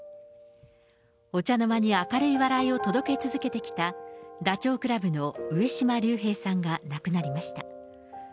お茶の間に明るい笑いを届け続けてきたダチョウ倶楽部の上島竜兵さんが亡くなりました。